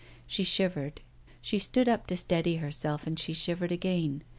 She shivered; she stood up to steady herself and she shivered again.